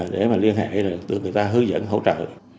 để mà liên hệ được người ta hướng dẫn hỗ trợ